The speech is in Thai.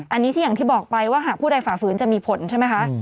อันนี้ที่อย่างที่บอกไปว่าหากผู้ใดฝ่าฝืนจะมีผลใช่ไหมคะ